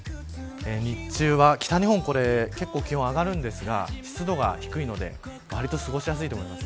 日中は北日本で気温が上がるんですが湿度は低いのでわりと過ごしやすいと思います。